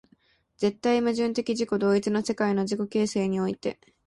絶対矛盾的自己同一の世界の自己形成において、